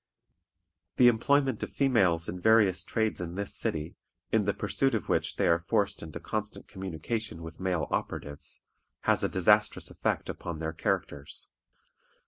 The employment of females in various trades in this city, in the pursuit of which they are forced into constant communication with male operatives has a disastrous effect upon their characters.